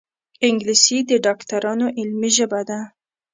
انګلیسي د ډاکټرانو علمي ژبه ده